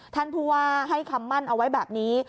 ท่านผู้ว่าให้คำมั่นเอาไว้แบบนี้